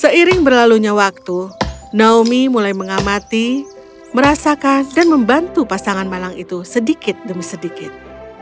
seiring berlalunya waktu naomi mulai mengamati merasakan dan membantu pasangan malang itu sedikit demi sedikit